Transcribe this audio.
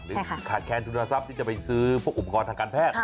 ขาดแคนทุนทรัพย์ที่จะไปซื้อพวกอุปกรณ์ทางการแพทย์